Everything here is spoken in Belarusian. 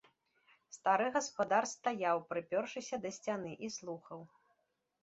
Стары гаспадар стаяў, прыпёршыся да сцяны, і слухаў.